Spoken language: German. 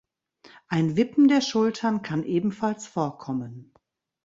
Ein Wippen der Schultern kann ebenfalls vorkommen.